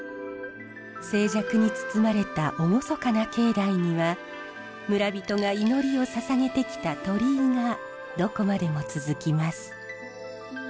静寂に包まれた厳かな境内には村人が祈りを捧げてきた鳥居がどこまでも続きます。